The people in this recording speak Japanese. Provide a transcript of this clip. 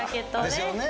ですよね。